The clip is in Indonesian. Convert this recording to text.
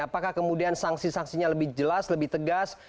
apakah kemudian sanksi sanksinya lebih jelas lebih tegas